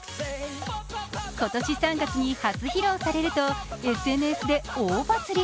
今年３月に初披露されるとＳＮＳで大バズり。